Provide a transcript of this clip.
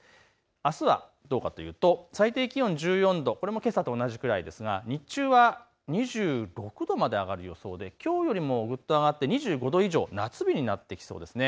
あすはどうかというと最低気温１４度、これはけさと同じくらいですが、日中は２６度まで上がる予想できょうよりもぐっと上がって２５度以上、夏日になってきそうです。